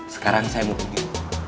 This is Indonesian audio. sekarang saya mau pergi